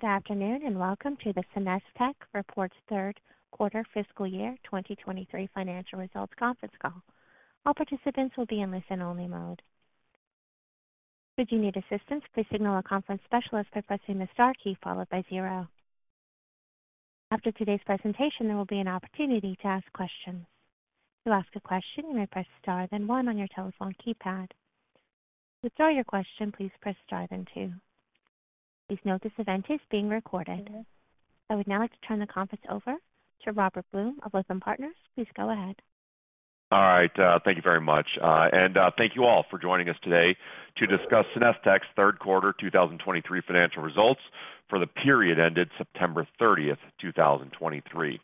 Good afternoon, and welcome to the SenesTech Reports Third Quarter Fiscal Year 2023 financial results conference call. All participants will be in listen-only mode. Should you need assistance, please signal a conference specialist by pressing the Star key, followed by zero. After today's presentation, there will be an opportunity to ask questions. To ask a question, you may press Star, then one on your telephone keypad. To withdraw your question, please press Star, then two. Please note this event is being recorded. I would now like to turn the conference over to Robert Blum of Lytham Partners. Please go ahead. All right. Thank you very much. And, thank you all for joining us today to discuss SenesTech's third quarter 2023 financial results for the period ended September 30, 2023.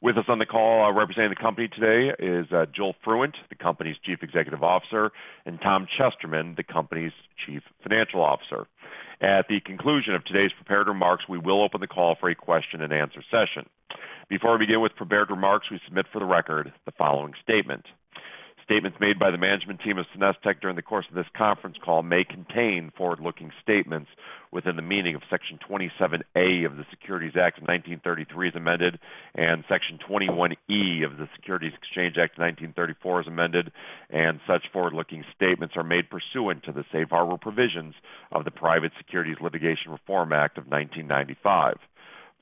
With us on the call, representing the company today is Joel Fruendt, the company's Chief Executive Officer, and Tom Chesterman, the company's Chief Financial Officer. At the conclusion of today's prepared remarks, we will open the call for a question-and-answer session. Before we begin with prepared remarks, we submit for the record the following statement. Statements made by the management team of SenesTech during the course of this conference call may contain forward-looking statements within the meaning of Section 27A of the Securities Act of 1933, as amended, and Section 21E of the Securities Exchange Act of 1934, as amended, and such forward-looking statements are made pursuant to the safe harbor provisions of the Private Securities Litigation Reform Act of 1995.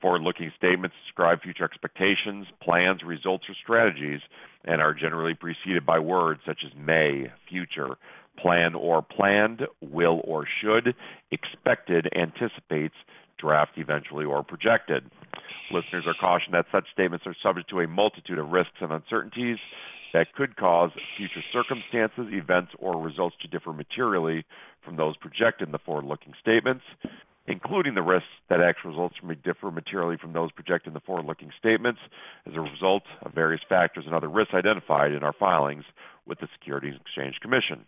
Forward-looking statements describe future expectations, plans, results, or strategies and are generally preceded by words such as may, future, plan or planned, will or should, expected, anticipates, draft, eventually, or projected. Listeners are cautioned that such statements are subject to a multitude of risks and uncertainties that could cause future circumstances, events, or results to differ materially from those projected in the forward-looking statements, including the risks that actual results may differ materially from those projected in the forward-looking statements as a result of various factors and other risks identified in our filings with the Securities and Exchange Commission.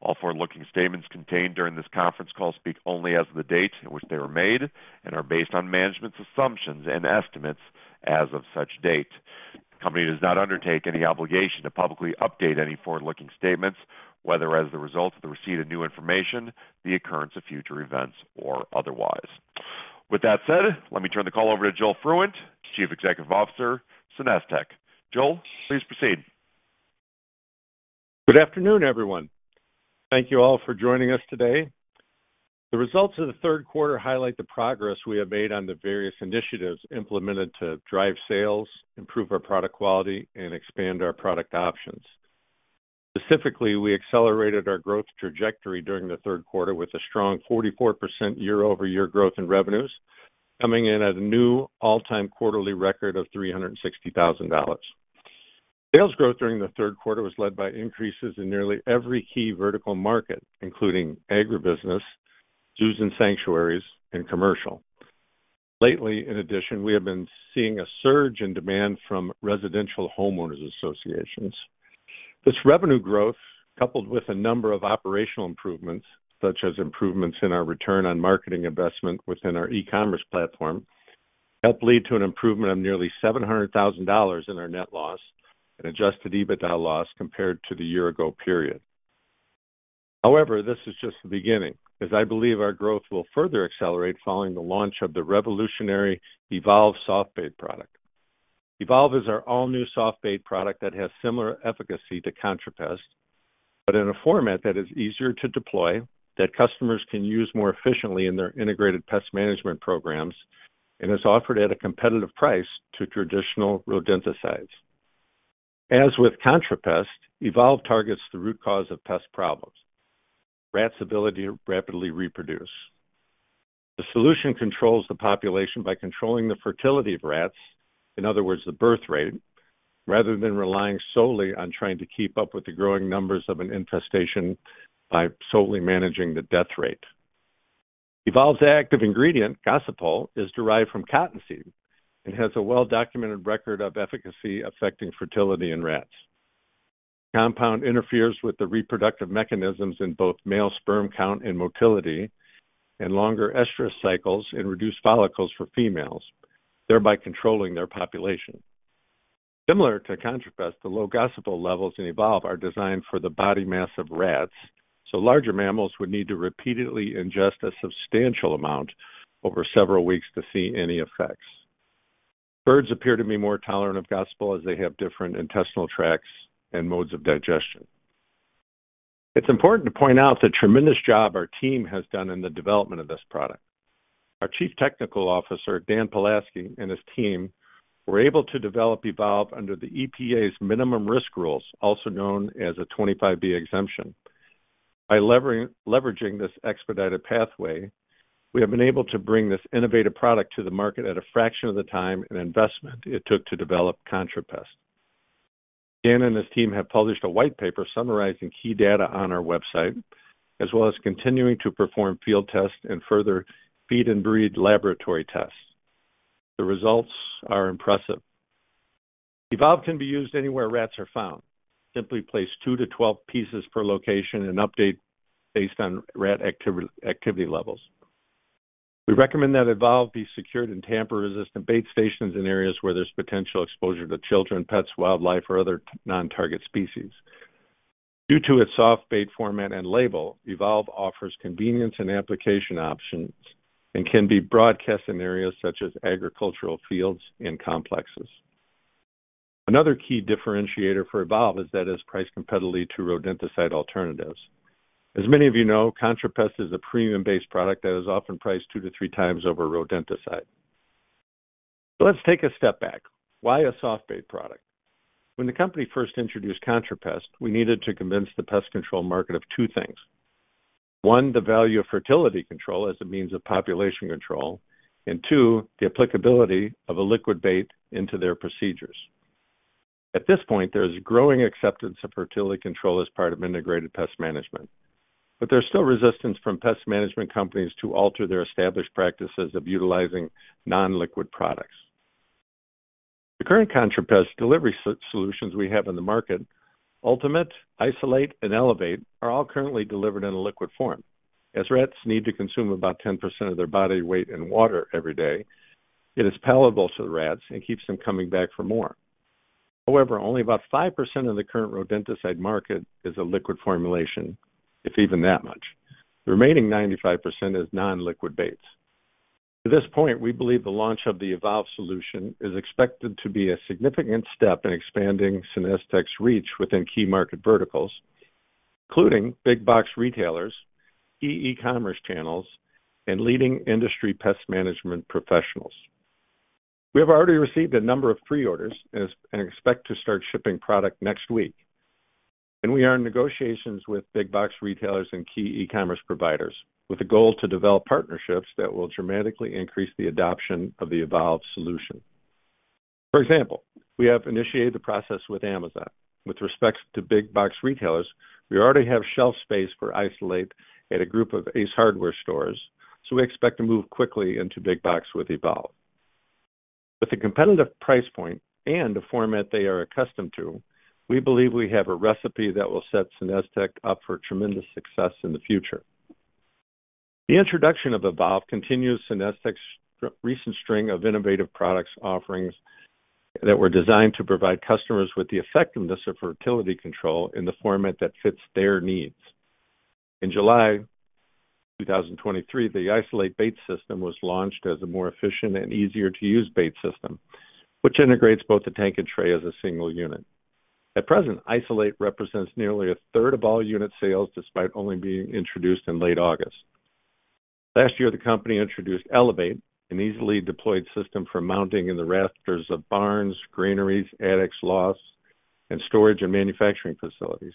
All forward-looking statements contained during this conference call speak only as of the date at which they were made and are based on management's assumptions and estimates as of such date. The company does not undertake any obligation to publicly update any forward-looking statements, whether as a result of the receipt of new information, the occurrence of future events, or otherwise. With that said, let me turn the call over to Joel Fruendt, Chief Executive Officer, SenesTech. Joel, please proceed. Good afternoon, everyone. Thank you all for joining us today. The results of the third quarter highlight the progress we have made on the various initiatives implemented to drive sales, improve our product quality, and expand our product options. Specifically, we accelerated our growth trajectory during the third quarter with a strong 44% year-over-year growth in revenues, coming in at a new all-time quarterly record of $360,000. Sales growth during the third quarter was led by increases in nearly every key vertical market, including agribusiness, zoos and sanctuaries, and commercial. Lately, in addition, we have been seeing a surge in demand from residential homeowners associations. This revenue growth, coupled with a number of operational improvements, such as improvements in our return on marketing investment within our e-commerce platform, helped lead to an improvement of nearly $700,000 in our net loss and adjusted EBITDA loss compared to the year ago period. However, this is just the beginning, as I believe our growth will further accelerate following the launch of the revolutionary Evolve Soft Bait product. Evolve is our all-new soft bait product that has similar efficacy to ContraPest, but in a format that is easier to deploy, that customers can use more efficiently in their Integrated Pest Management programs, and is offered at a competitive price to traditional rodenticides. As with ContraPest, Evolve targets the root cause of pest problems: rats' ability to rapidly reproduce. The solution controls the population by controlling the fertility of rats, in other words, the birth rate, rather than relying solely on trying to keep up with the growing numbers of an infestation by solely managing the death rate. Evolve's active ingredient, gossypol, is derived from cottonseed and has a well-documented record of efficacy affecting fertility in rats. The compound interferes with the reproductive mechanisms in both male sperm count and motility, and longer estrous cycles and reduced follicles for females, thereby controlling their population. Similar to ContraPest, the low gossypol levels in Evolve are designed for the body mass of rats, so larger mammals would need to repeatedly ingest a substantial amount over several weeks to see any effects. Birds appear to be more tolerant of gossypol as they have different intestinal tracts and modes of digestion. It's important to point out the tremendous job our team has done in the development of this product. Our Chief Technical Officer, Dan Palasky, and his team were able to develop Evolve under the EPA's minimum risk rules, also known as a 25(b) exemption. By leveraging this expedited pathway, we have been able to bring this innovative product to the market at a fraction of the time and investment it took to develop ContraPest. Dan and his team have published a white paper summarizing key data on our website, as well as continuing to perform field tests and further feed and breed laboratory tests. The results are impressive. Evolve can be used anywhere rats are found. Simply place two to twelve pieces per location and update based on rat activity levels. We recommend that Evolve be secured in tamper-resistant bait stations in areas where there's potential exposure to children, pets, wildlife, or other non-target species. Due to its soft bait format and label, Evolve offers convenience and application options and can be broadcast in areas such as agricultural fields and complexes. Another key differentiator for Evolve is that it's priced competitively to rodenticide alternatives. As many of you know, ContraPest is a premium-based product that is often priced two to three times over rodenticide. Let's take a step back. Why a soft bait product? When the company first introduced ContraPest, we needed to convince the pest control market of two things: one, the value of fertility control as a means of population control, and two, the applicability of a liquid bait into their procedures. At this point, there is growing acceptance of fertility control as part of integrated pest management, but there's still resistance from pest management companies to alter their established practices of utilizing non-liquid products. The current ContraPest delivery solutions we have in the market, Ultimate, Isolate, and Elevate, are all currently delivered in a liquid form. As rats need to consume about 10% of their body weight in water every day, it is palatable to the rats and keeps them coming back for more. However, only about 5% of the current rodenticide market is a liquid formulation, if even that much. The remaining 95% is non-liquid baits. To this point, we believe the launch of the Evolve solution is expected to be a significant step in expanding SenesTech's reach within key market verticals, including big box retailers, e-commerce channels, and leading industry pest management professionals. We have already received a number of pre-orders and expect to start shipping product next week, and we are in negotiations with big box retailers and key e-commerce providers with a goal to develop partnerships that will dramatically increase the adoption of the Evolve solution. For example, we have initiated the process with Amazon. With respects to big box retailers, we already have shelf space for Isolate at a group of Ace Hardware stores, so we expect to move quickly into big box with Evolve. With a competitive price point and a format they are accustomed to, we believe we have a recipe that will set SenesTech up for tremendous success in the future. The introduction of Evolve continues SenesTech's recent string of innovative products offerings that were designed to provide customers with the effectiveness of fertility control in the format that fits their needs. In July 2023, the Isolate Bait System was launched as a more efficient and easier-to-use bait system, which integrates both the tank and tray as a single unit. At present, Isolate represents nearly a third of all unit sales, despite only being introduced in late August. Last year, the company introduced Elevate, an easily deployed system for mounting in the rafters of barns, granaries, attics, lofts, and storage and manufacturing facilities.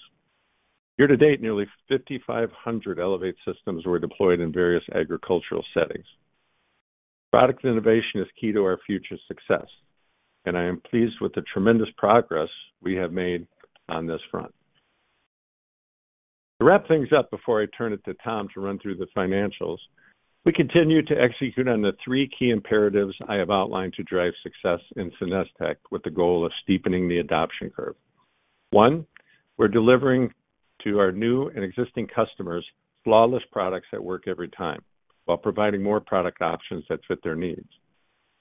Year-to-date, nearly 5,500 Elevate systems were deployed in various agricultural settings. Product innovation is key to our future success, and I am pleased with the tremendous progress we have made on this front. To wrap things up, before I turn it to Tom to run through the financials, we continue to execute on the three key imperatives I have outlined to drive success in SenesTech with the goal of steepening the adoption curve. One, we're delivering to our new and existing customers flawless products that work every time, while providing more product options that fit their needs.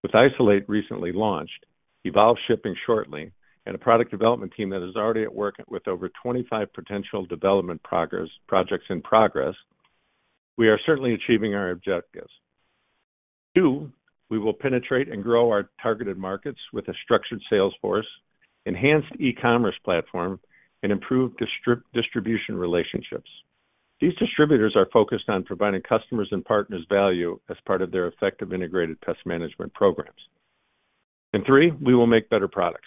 With Isolate recently launched, Evolve shipping shortly, and a product development team that is already at work with over 25 potential development projects in progress, we are certainly achieving our objectives. Two, we will penetrate and grow our targeted markets with a structured sales force, enhanced e-commerce platform, and improved distribution relationships. These distributors are focused on providing customers and partners value as part of their effective integrated pest management programs. And three, we will make better products.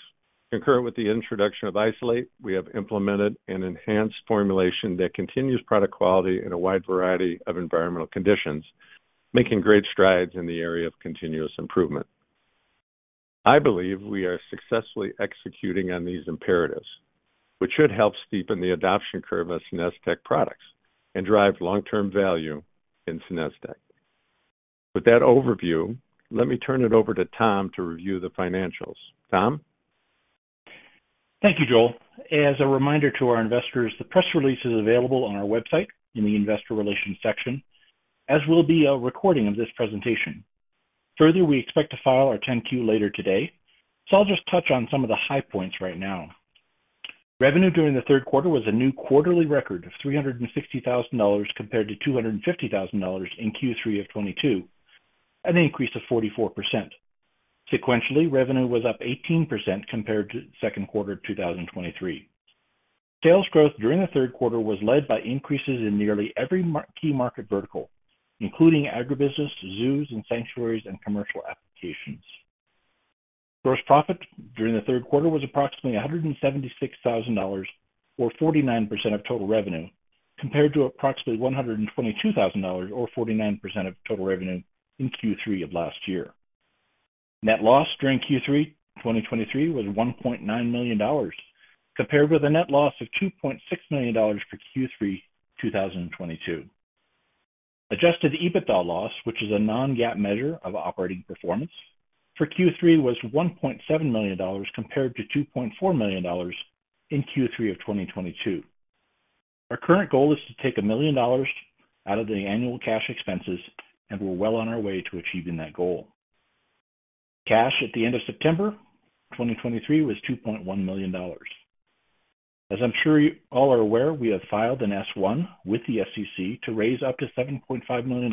Concurrent with the introduction of Isolate, we have implemented an enhanced formulation that continues product quality in a wide variety of environmental conditions, making great strides in the area of continuous improvement. I believe we are successfully executing on these imperatives, which should help steepen the adoption curve of SenesTech products and drive long-term value in SenesTech. With that overview, let me turn it over to Tom to review the financials. Tom? Thank you, Joel. As a reminder to our investors, the press release is available on our website in the Investor Relations section, as will be a recording of this presentation. Further, we expect to file our 10-Q later today, so I'll just touch on some of the high points right now. Revenue during the third quarter was a new quarterly record of $360,000, compared to $250,000 in Q3 of 2022, an increase of 44%. Sequentially, revenue was up 18% compared to the second quarter of 2023. Sales growth during the third-quarter was led by increases in nearly every key market vertical, including agribusiness, zoos and sanctuaries, and commercial applications. Gross profit during the third quarter was approximately $176,000, or 49% of total revenue, compared to approximately $122,000, or 49% of total revenue in Q3 of last year. Net loss during Q3 2023 was $1.9 million, compared with a net loss of $2.6 million for Q3 2022. Adjusted EBITDA loss, which is a non-GAAP measure of operating performance for Q3, was $1.7 million, compared to $2.4 million in Q3 of 2022. Our current goal is to take $1 million out of the annual cash expenses, and we're well on our way to achieving that goal... Cash at the end of September 2023 was $2.1 million. As I'm sure you all are aware, we have filed an S-1 with the SEC to raise up to $7.5 million.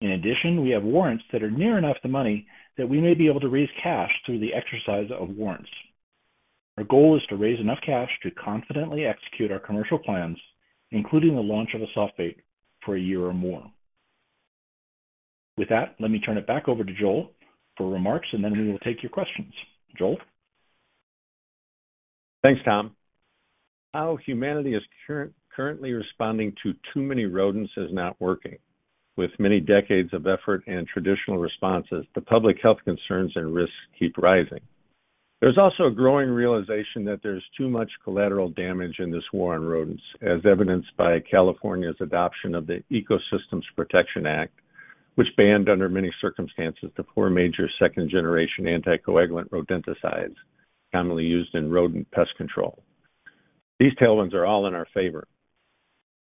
In addition, we have warrants that are near enough to money that we may be able to raise cash through the exercise of warrants. Our goal is to raise enough cash to confidently execute our commercial plans, including the launch of a soft bait for a year or more. With that, let me turn it back over to Joel for remarks, and then we will take your questions. Joel? Thanks, Tom. How humanity is currently responding to too many rodents is not working. With many decades of effort and traditional responses, the public health concerns and risks keep rising. There's also a growing realization that there's too much collateral damage in this war on rodents, as evidenced by California's adoption of the Ecosystems Protection Act, which banned, under many circumstances, the four major second-generation anticoagulant rodenticides commonly used in rodent pest control. These tailwinds are all in our favor,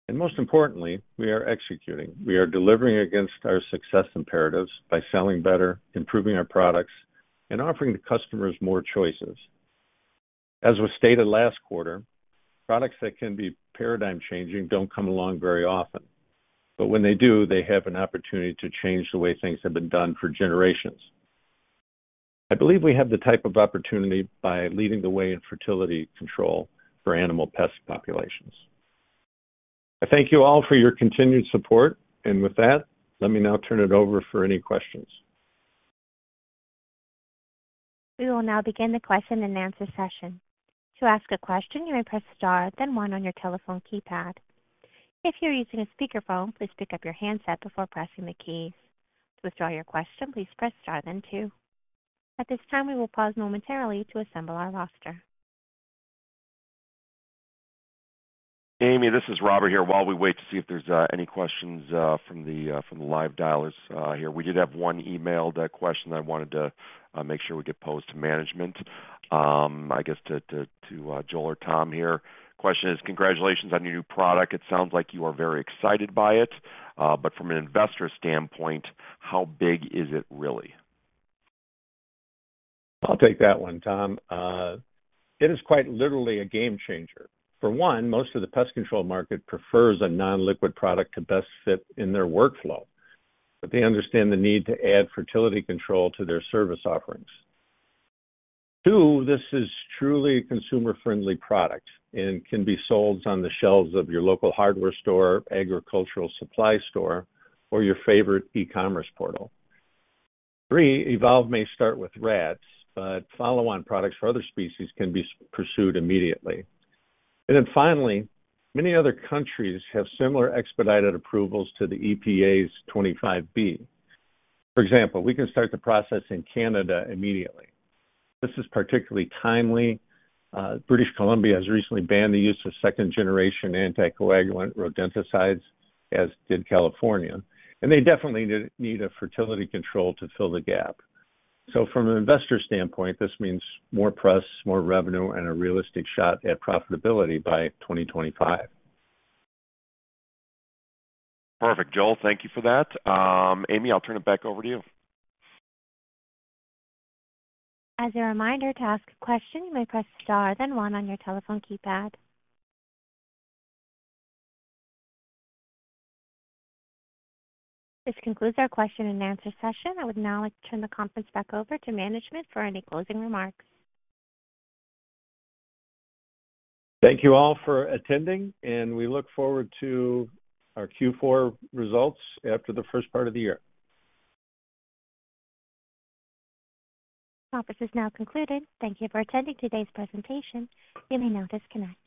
and most importantly, we are executing. We are delivering against our success imperatives by selling better, improving our products, and offering the customers more choices. As was stated last quarter, products that can be paradigm-changing don't come along very often, but when they do, they have an opportunity to change the way things have been done for generations. I believe we have the type of opportunity by leading the way in fertility control for animal pest populations. I thank you all for your continued support, and with that, let me now turn it over for any questions. We will now begin the question-and-answer session. To ask a question, you may press star, then one on your telephone keypad. If you're using a speakerphone, please pick up your handset before pressing the keys. To withdraw your question, please press star then two. At this time, we will pause momentarily to assemble our roster. Amy, this is Robert here. While we wait to see if there's any questions from the live dialers here, we did have one emailed question I wanted to make sure we get posed to management. I guess to Joel or Tom here. Question is: congratulations on your new product. It sounds like you are very excited by it, but from an investor standpoint, how big is it really? I'll take that one, Tom. It is quite literally a game changer. For one, most of the pest control market prefers a non-liquid product to best fit in their workflow, but they understand the need to add fertility control to their service offerings. Two, this is truly a consumer-friendly product and can be sold on the shelves of your local hardware store, agricultural supply store, or your favorite e-commerce portal. Three, Evolve may start with rats, but follow-on products for other species can be pursued immediately. And then finally, many other countries have similar expedited approvals to the EPA's 25(b). For example, we can start the process in Canada immediately. This is particularly timely. British Columbia has recently banned the use of second-generation anticoagulant rodenticides, as did California, and they definitely need a fertility control to fill the gap. From an investor standpoint, this means more press, more revenue, and a realistic shot at profitability by 2025. Perfect, Joel, thank you for that. Amy, I'll turn it back over to you. As a reminder, to ask a question, you may press star then 1 on your telephone keypad. This concludes our question-and-answer session. I would now like to turn the conference back over to management for any closing remarks. Thank you all for attending, and we look forward to our Q4 results after the first part of the year. Conference is now concluded. Thank you for attending today's presentation. You may now disconnect.